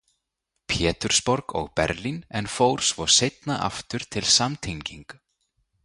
Pétursborg og Berlín en fór svo seinna aftur til samtenging.